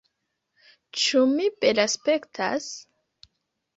Ĉu mi belaspektas?